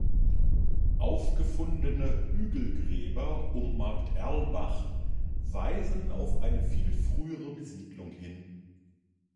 Aufgefundene Hügelgräber um Markt Erlbach weisen auf eine viel frühere Besiedelung hin.